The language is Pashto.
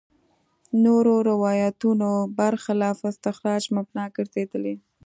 نورو روایتونو برخلاف استخراج مبنا ګرځېدلي.